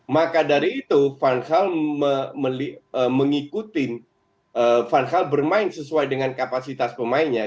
maka dari itu van hall mengikuti van hal bermain sesuai dengan kapasitas pemainnya